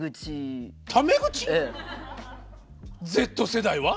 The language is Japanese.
Ｚ世代は？